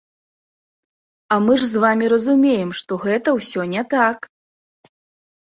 А мы ж з вамі разумеем, што гэта ўсё не так!